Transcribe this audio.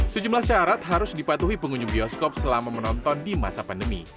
sejumlah syarat harus dipatuhi pengunjung bioskop selama menonton di masa pandemi